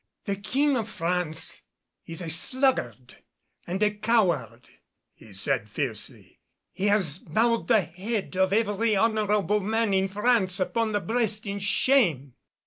"The King of France is a sluggard and a coward," he said fiercely. "He has bowed the head of every honorable man in France upon the breast in shame.